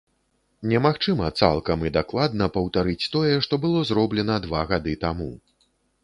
Немагчыма цалкам і дакладна паўтарыць тое, што было зроблена два гады таму.